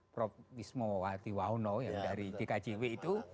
prof wismu wati wauno yang dari dkjw itu